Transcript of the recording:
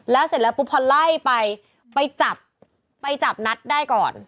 แล้วเสร็จแล้วปุ๊บพอไล่ไปไปจับไปจับนัทได้ก่อน